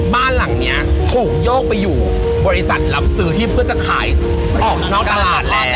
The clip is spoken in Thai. บ้านหลังนี้ถูกโยกไปอยู่บริษัทรับซื้อที่เพื่อจะขายออกนอกตลาดแล้ว